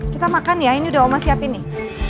kita makan ya ini udah oma siapin nih